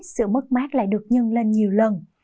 sự mất mát lại được nhân lên nhiều lần